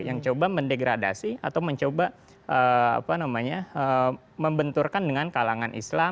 yang coba mendegradasi atau mencoba membenturkan dengan kalangan islam